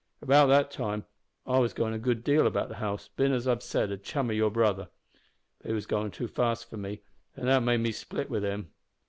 "About that time I was goin' a good deal about the house, bein', as I've said, a chum o' your brother. But he was goin' too fast for me, and that made me split with him.